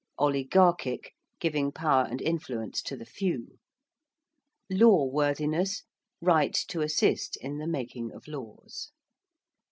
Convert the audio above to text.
~oligarchic~: giving power and influence to the few. ~'law worthiness'~: right to assist in the making of laws.